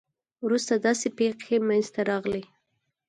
وروسته داسې پېښې منځته راغلې.